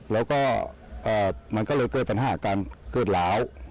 แล้วก็มันก็เลยเกิดปัญหาการเกิดล้าว